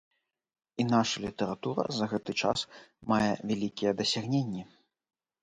І наша літаратура за гэты час мае вялікія дасягненні.